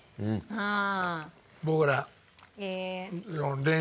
ああ。